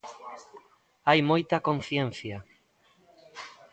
Hai moita conciencia.